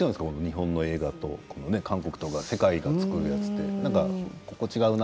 日本の映画と、韓国とか世界が作るものって。